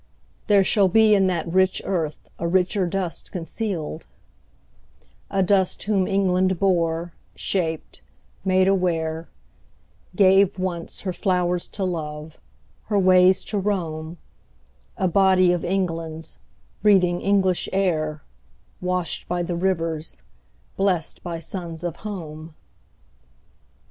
There shall be In that rich earth a richer dust concealed; A dust whom England bore, shaped, made aware, Gave, once, her flowers to love, her ways to roam, A body of England's, breathing English air, Washed by the rivers, blest by suns of home.